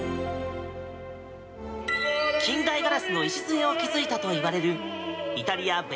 近代ガラスの礎を築いたといわれるイタリア・べ